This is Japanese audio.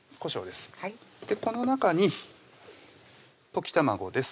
この中に溶き卵です